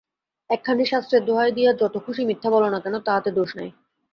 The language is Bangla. একখানি শাস্ত্রের দোহাই দিয়া যত খুশী মিথ্যা বলো না কেন, তাহাতে দোষ নাই।